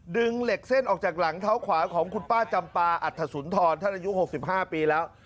ดึงเหล็กเส้นออกจากหลังเท้าขวาของคุณป้าจำปาอัฐสุนทรท่านอายุ๖๕ปีแล้ว